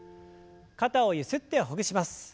肩をゆすってほぐします。